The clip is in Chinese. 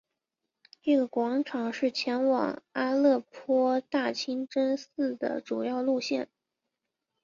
这个广场是前往阿勒颇大清真寺的主要路线。